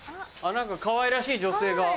何かかわいらしい女性が。